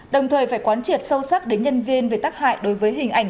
đồng thời phải quán triệt sâu sắc đến nhân viên về tác hại đối với hình ảnh